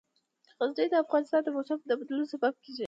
غزني د افغانستان د موسم د بدلون سبب کېږي.